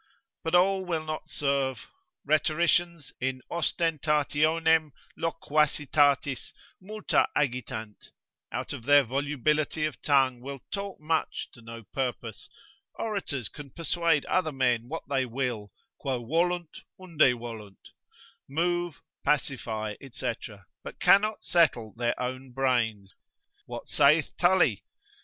But all will not serve; rhetoricians, in ostentationem loquacitatis multa agitant, out of their volubility of tongue, will talk much to no purpose, orators can persuade other men what they will, quo volunt, unde volunt, move, pacify, &c., but cannot settle their own brains, what saith Tully?